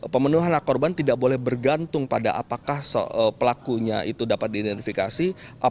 pemenuhan hak korban tidak boleh bergantung pada apakah pelakunya itu dapat diidentifikasi